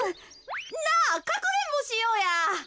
なあかくれんぼしようや。